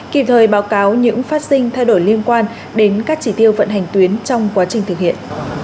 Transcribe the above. kịp thời báo cáo những phát sinh thay đổi liên quan đến các chỉ tiêu vận hành tuyến trong quá trình thực hiện